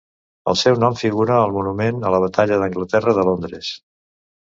El seu nom figura al Monument a la Batalla d'Anglaterra de Londres.